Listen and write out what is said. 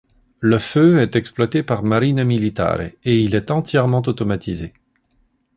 Le feu est exploité par Marina Militare et il est entièrement automatisé.